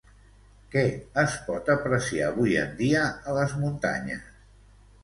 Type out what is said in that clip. Què es pot apreciar avui en dia a les muntanyes?